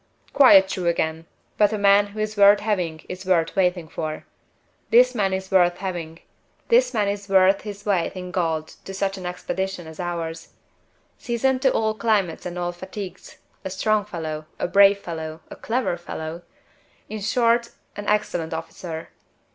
"Quite true, again. But a man who is worth having is worth waiting for. This man is worth having; this man is worth his weight in gold to such an expedition as ours. Seasoned to all climates and all fatigues a strong fellow, a brave fellow, a clever fellow in short, an excellent officer.